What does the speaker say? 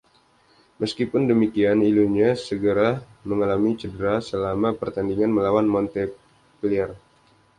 Meskipun demikian, Ilunga segera mengalami cedera selama pertandingan melawan Montpellier.